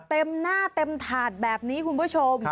เต็มหน้าเต็มถาดแบบนี้คุณผู้ชม